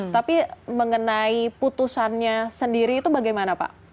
tapi mengenai putusannya sendiri itu bagaimana pak